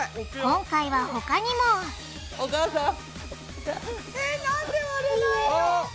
今回は他にもお母さん！